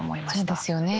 そうですよね。